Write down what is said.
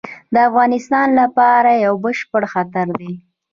د افغانستان لپاره یو بشپړ خطر دی.